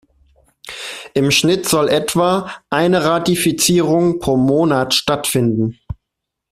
Im Schnitt soll etwa eine Ratifizierung pro Monat stattfinden.